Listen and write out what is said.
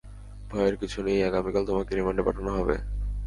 ভয়ের কিছু নেই, আগামীকাল তোমাকে রিমান্ডে পাঠানো হবে।